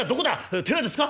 「寺ですか？